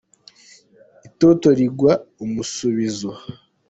Itoto rigwa umusubizo.